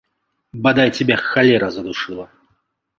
Бадай цябе халера задушыла!